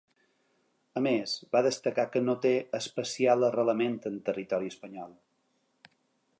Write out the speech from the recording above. A més, va destacar que no té “especial arrelament en territori espanyol”.